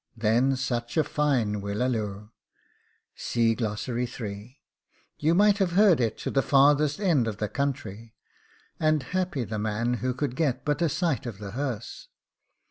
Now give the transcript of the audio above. Then such a fine whillaluh! you might have heard it to the farthest end of the county, and happy the man who could get but a sight of the hearse!